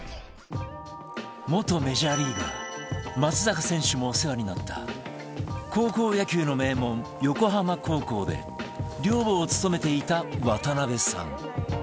元メジャーリーガー松坂選手もお世話になった高校野球の名門横浜高校で寮母を務めていた渡邊さん